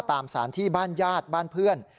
ตามสารที่บ้านญาติบ้านเพื่อน